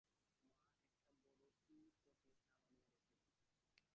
মা একটা বড় টী-পটে চা বানিয়ে রেখে দেন।